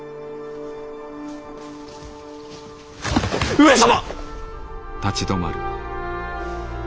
上様！